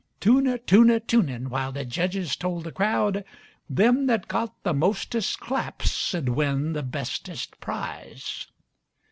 Tun a tun a tunin' while the jedges told the crowd Them that got the mostest claps'd win the bestest prize.